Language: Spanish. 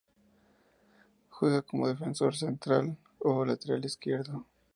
Juega como defensor, como central o lateral izquierdo.